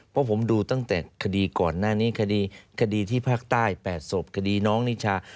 เพราะผมดูตั้งแต่คดีก่อนหน้านี้คดีที่ภาคใต้๘ศพคดีน้องนิชา